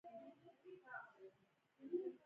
باز له اسمانه ښکار ویني.